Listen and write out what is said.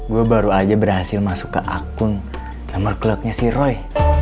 gue baru aja berhasil masuk ke akun samar klubnya si roy